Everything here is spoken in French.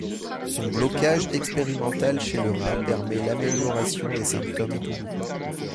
Son blocage expérimental chez le rat permet l'amélioration des symptômes douloureux.